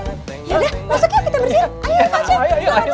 yaudah masuk ya kita bersihin ayo pak aceh